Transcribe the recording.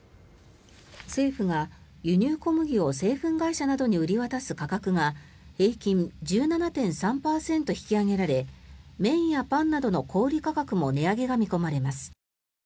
政府が輸入小麦を製粉会社などに売り渡す価格が平均１７．３％引き上げられ麺やパンなどの小売価格も値上げが見込まれます。